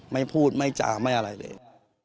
ไม่พูดไม่จาไม่อะไรเลย